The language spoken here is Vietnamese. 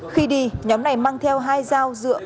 khi đi nhóm này mang theo hai dao dựa